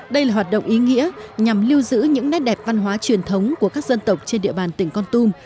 đây là hoạt động ý nghĩa nhằm lưu giữ những nét đẹp văn hóa truyền thống của các dân tộc trên địa bàn tỉnh con tum